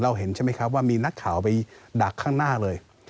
เห็นใช่ไหมครับว่ามีนักข่าวไปดักข้างหน้าเลย